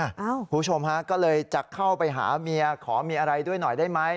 คุณผู้ชมฮะก็เลยจะเข้าไปหาเมียขอมีอะไรด้วยหน่อยได้ไหม